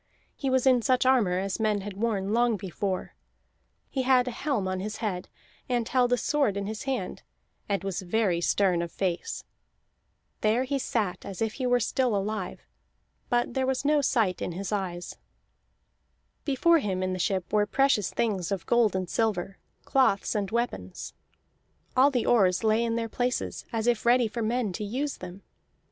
He was in such armor as men had worn long before; he had a helm on his head, and held a sword in his hand, and was very stern of face. There he sat as if he were still alive, but there was no sight in his eyes. Before him in the ship were precious things of gold and silver, cloths, and weapons. All the oars lay in their places as if ready for men to use them.